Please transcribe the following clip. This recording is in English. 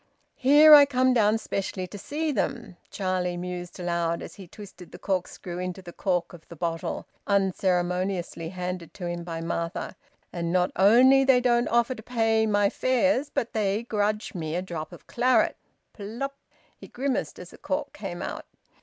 "Here I come down specially to see them," Charlie mused aloud, as he twisted the corkscrew into the cork of the bottle, unceremoniously handed to him by Martha, "and not only they don't offer to pay my fares, but they grudge me a drop of claret! Plupp!" He grimaced as the cork came out.